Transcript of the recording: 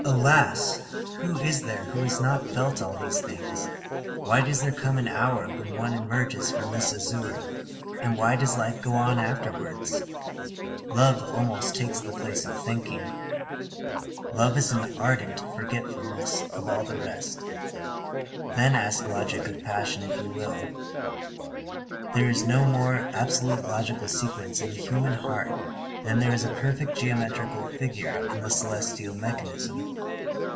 Alas! Who is there who has not felt all these things? Why does there come an hour when one emerges from this azure, and why does life go on afterwards? Loving almost takes the place of thinking. Love is an ardent forgetfulness of all the rest. Then ask logic of passion if you will. There is no more absolute logical sequence in the human heart than there is a perfect geometrical figure in the celestial mechanism.